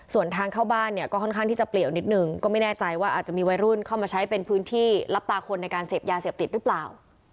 ส่วนทางเข้าบ้านเนี่ยก็ค่อนข้างที่จะเปลี่ยวนิดนึงก็ไม่แน่ใจว่าอาจจะมีวัยรุ่นเข้ามาใช้เป็นพื้นที่รับตาคนในการเสพยาเสพติดหรือเปล่า